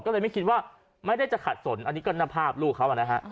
ก็เลยไม่คิดว่าไม่ได้จะขัดสนอันนี้ก็หน้าภาพลูกเขานะฮะ